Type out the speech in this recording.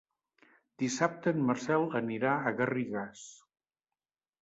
Dissabte en Marcel anirà a Garrigàs.